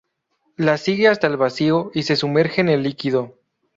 La sigue hasta el vacío y se sumerge en el líquido.